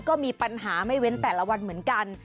ก็มีปัญหาไม่เว้นแต่ละวันเหมือนกัน